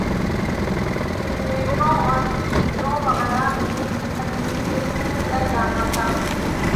ریفریجریٹروں اور ڈیپ فریزروں وغیرہ میں ٹھنڈک کیلئے کیا جاتا تھا